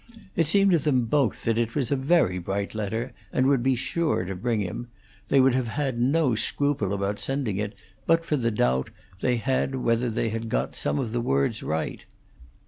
It seemed to them both that it was a very bright letter, and would be sure to bring him; they would have had no scruple about sending it but for the doubt they had whether they had got some of the words right.